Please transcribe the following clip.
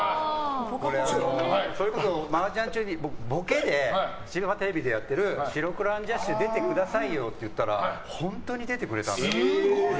それこそ、麻雀中にボケで千葉テレビでやってる「白黒アンジャッシュ」出てくださいよって言ったら本当に出てくれたんです。